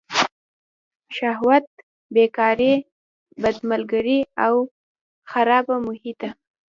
شهوت، بېکاري، بد ملګري او خرابه محیطه.